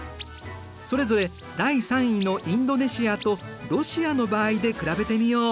それぞれ第３位のインドネシアとロシアの場合で比べてみよう。